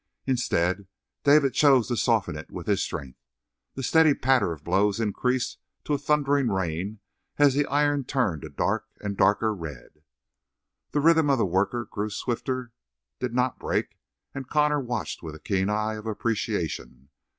Instead, David chose to soften it with strength. The steady patter of blows increased to a thundering rain as the iron turned a dark and darker red. The rhythm of the worker grew swifter, did not break, and Connor watched with a keen eye of appreciation.